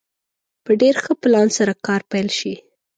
په ډېر ښه پلان سره کار پيل شي.